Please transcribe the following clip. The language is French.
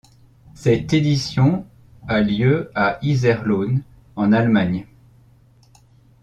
Cette édition a lieu à Iserlohn, en Allemagne.